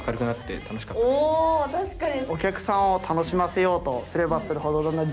おお確かに。